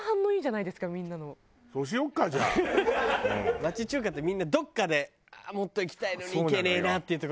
町中華ってみんなどこかでもっといきたいのにいけねえなっていうところがあるからね。